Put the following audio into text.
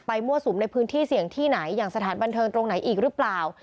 มั่วสุมในพื้นที่เสี่ยงที่ไหนอย่างสถานบันเทิงตรงไหนอีกหรือเปล่า